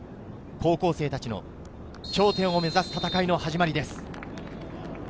高校生たちの頂点を目指す戦いの始まりです。